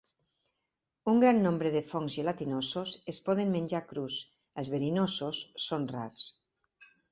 Un gran nombre de fongs gelatinosos es poden menjar crus; els verinosos són rars.